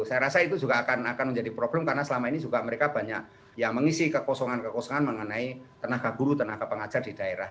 saya rasa itu juga akan menjadi problem karena selama ini juga mereka banyak yang mengisi kekosongan kekosongan mengenai tenaga guru tenaga pengajar di daerah